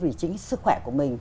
vì chính sức khỏe của mình